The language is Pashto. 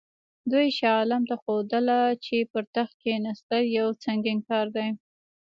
دوی شاه عالم ته ښودله چې پر تخت کښېنستل یو سنګین کار دی.